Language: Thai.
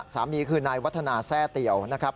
สามีคือนายวัฒนาแทร่เตี๋ยวนะครับ